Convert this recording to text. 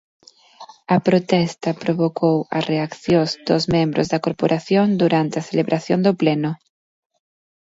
A protesta provocou as reaccións dos membros da corporación durante a celebración do pleno.